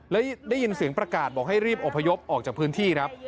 แล้วได้ยินเสียงประกาศบอกให้รีบอบพยพออกจากพื้นที่ครับ